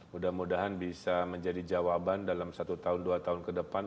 mudah mudahan bisa menjadi jawaban dalam satu tahun dua tahun ke depan